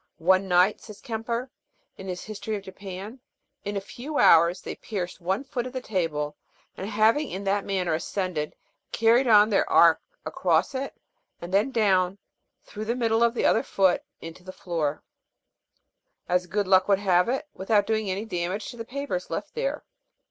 ' One night,' says Kemper, in his history of Japan, ' in a few hours, they pierced one foot of the table, and having in that manner ascended, carried their arch across it, and then down, through the middle of the other foot, into the floor, as good luck would have it, without doing any damage to the papers left there.'